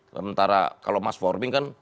sementara kalau mass forming kan